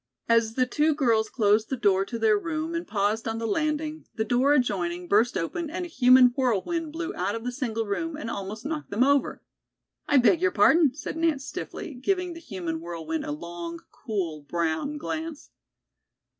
As the two girls closed the door to their room and paused on the landing, the door adjoining burst open and a human whirlwind blew out of the single room and almost knocked them over. "I beg your pardon," said Nance stiffly, giving the human whirlwind a long, cool, brown glance.